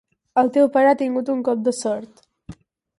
El teu pare ha tingut un cop de sort.